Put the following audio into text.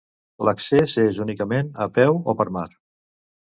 L'accés és únicament a peu o per mar.